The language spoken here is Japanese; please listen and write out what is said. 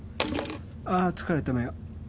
ああ疲れた目が。